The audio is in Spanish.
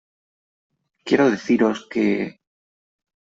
Quiero deciros que ...